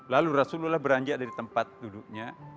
lalu rasulullah beranjak dari tempat duduknya